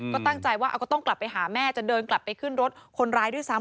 ก็ตั้งใจว่าก็ต้องกลับไปหาแม่จะเดินกลับไปขึ้นรถคนร้ายด้วยซ้ำ